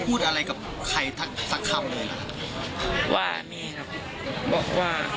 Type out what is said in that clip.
พี่เมากันทั้งแต่ละครั้ง